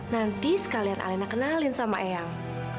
nanti sekalian alena kenalin sama eyang